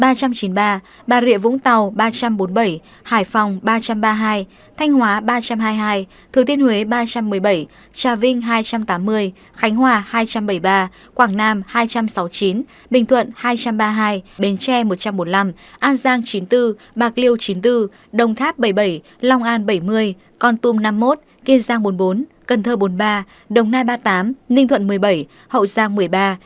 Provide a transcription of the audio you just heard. bình phước năm trăm bốn mươi một phú yên ba trăm chín mươi ba bà rịa vũng tàu ba trăm bốn mươi bảy hải phòng ba trăm ba mươi hai thanh hóa ba trăm hai mươi hai thứ tiên huế ba trăm một mươi bảy trà vinh hai trăm tám mươi khánh hòa hai trăm bảy mươi ba quảng nam hai trăm sáu mươi chín bình thuận hai trăm ba mươi hai bến tre một trăm bốn mươi năm an giang chín mươi bốn bạc liêu chín mươi bốn đồng tháp bảy mươi bảy lòng an bảy mươi con tum năm mươi một kiên giang bốn mươi bốn cần thơ bốn mươi ba đồng nai ba mươi tám ninh thuận một mươi bảy hậu giang một mươi ba tây ninh bốn